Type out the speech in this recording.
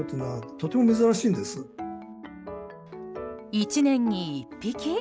１年に１匹？